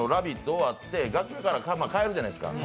終わって楽屋から帰るじゃないですか。